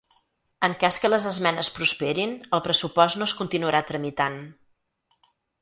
En cas que les esmenes prosperin el pressupost no es continuarà tramitant.